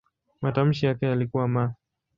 Matamshi yake yalikuwa "m".